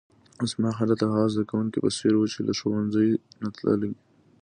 زما حالت د هغه زده کونکي په څېر وو، چي له ښوونځۍ نه تللی.